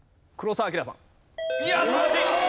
いやあ素晴らしい！